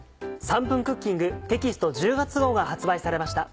『３分クッキング』テキスト１０月号が発売されました。